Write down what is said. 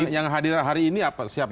yang hadir hari ini apa